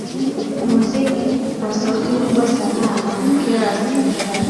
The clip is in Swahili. muziki wa sauti kubwa sana unakera wasikilizaji